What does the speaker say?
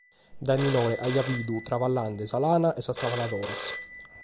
Dae minore aiat bidu traballende sa lana e sas traballadoras.